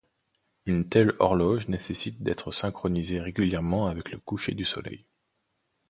Une telle horloge nécessite d'être synchronisée régulièrement avec le coucher du soleil.